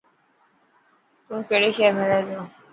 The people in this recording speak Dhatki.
تو ڪهڙي شهر ۾ رهي ٿو